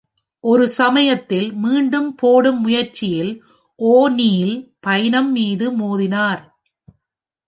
ஒரு சமயத்தில், மீண்டும் போடும் முயற்சியில் ஓ'நீல் பைனம் மீது மோதினார்.